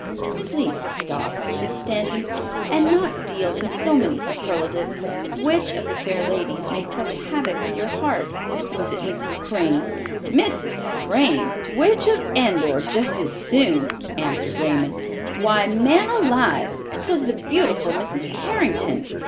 "Please stop," said Stanton, "and not deal in so many superlatives. Which of the fair ladies made such havoc with your heart? Was it Mrs. Crane?" "Mrs. Crane! Witch of Endor just as soon," answered Raymond. "Why, man alive, 'twas the beautiful Mrs. Carrington.